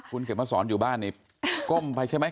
คุณเข็มมาสอนอยู่บ้านนี่ก้มไปใช่ไหม